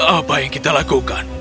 apa yang kita lakukan